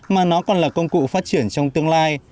mà nó còn là công cụ phát triển trong tương lai